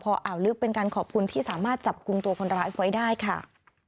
พออ่าวลึกเป็นการขอบคุณที่สามารถจับกลุ่มตัวคนร้ายไว้ได้ค่ะ